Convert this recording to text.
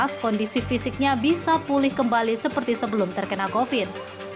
kondisi fisiknya bisa pulih kembali seperti sebelum terkena covid